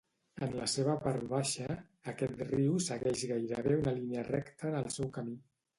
En la seva part baixa, aquest riu segueix gairebé una línia recta en el seu camí.